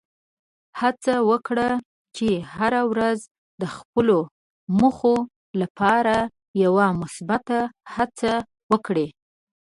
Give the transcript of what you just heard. هڅه وکړه چې هره ورځ د خپلو موخو لپاره یوه مثبته هڅه وکړې.